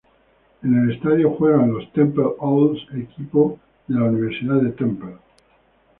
En el estadio juegan los Temple Owls, equipo de la Universidad de Temple.